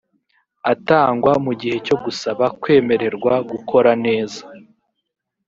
atangwa mu gihe cyo gusaba kwemererwa gukora neza